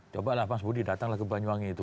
coba lah pak budi datanglah ke banyuwangi itu